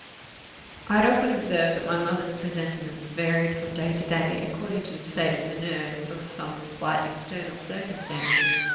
I had often observed that my mother's presentiments varied from day to day, according to the state of her nerves, or of some slight external circumstances.